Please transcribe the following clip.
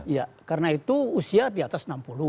ya karena itu usia di atas enam puluh